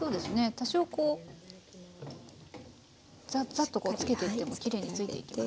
多少こうざっざっとこうつけていってもきれいに付いていきます。